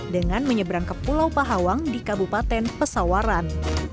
dengan menyeberang ke pulau pahawang di kabupaten pesawaran